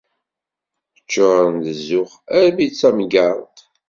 Ččuren d zzux armi d tamgerḍt.